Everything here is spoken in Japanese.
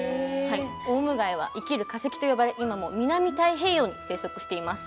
オウムガイは生きる化石を呼ばれ今も南太平洋に生息しています。